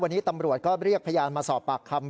วันนี้ตำรวจก็เรียกพยานมาสอบปากคำ